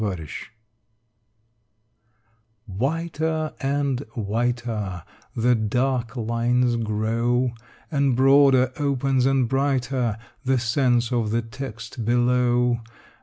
XXV Whiter and whiter The dark lines grow, And broader opens and brighter The sense of the text below.